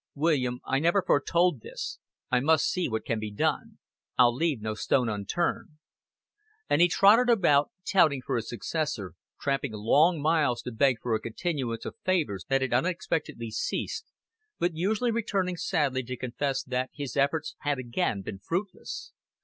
"William, I never foretold this. I must see what can be done. I'll leave no stone unturned." And he trotted about, touting for his successor, tramping long miles to beg for a continuance of favors that had unexpectedly ceased, but usually returning sadly to confess that his efforts had again been fruitless.